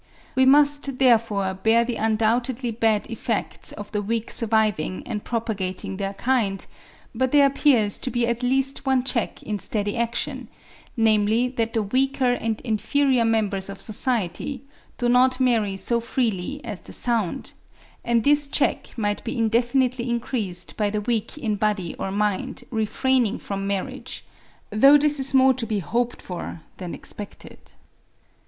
We must therefore bear the undoubtedly bad effects of the weak surviving and propagating their kind; but there appears to be at least one check in steady action, namely that the weaker and inferior members of society do not marry so freely as the sound; and this check might be indefinitely increased by the weak in body or mind refraining from marriage, though this is more to be hoped for than expected.